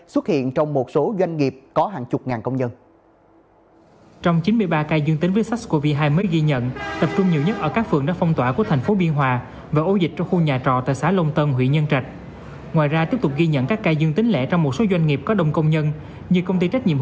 xin chào và hẹn gặp lại